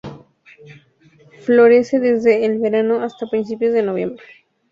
Florece desde el verano hasta principios de noviembre.